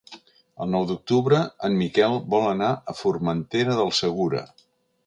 El nou d'octubre en Miquel vol anar a Formentera del Segura.